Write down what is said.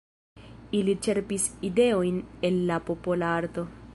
Ili ĉerpis ideojn el la popola arto.